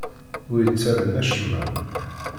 Ur ittamen acemma.